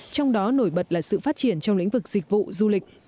trong đó nổi bật là sự phát triển trong lĩnh vực dịch vụ du lịch